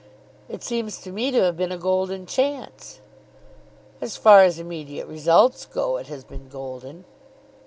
"It seems to me to have been a golden chance." "As far as immediate results go it has been golden."